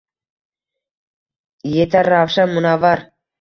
Etar ravshan, munavvar.